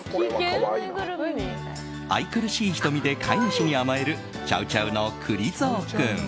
愛くるしい瞳で飼い主に甘えるチャウチャウのくり蔵君。